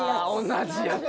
同じやつ」